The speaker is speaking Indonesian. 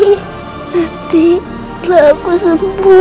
nanti setelah aku sembuh